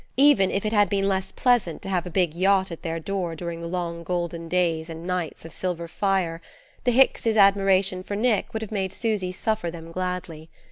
Even if it had been less pleasant to have a big yacht at their door during the long golden days and the nights of silver fire, the Hickses' admiration for Nick would have made Susy suffer them gladly.